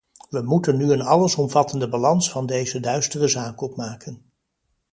We moeten nu een allesomvattende balans van deze duistere zaak opmaken.